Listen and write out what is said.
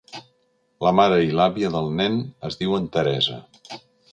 La mare i l'àvia del nen es diuen Teresa.